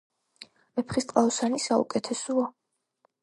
ვეფხისტყაოსანი საუკეთესოა..!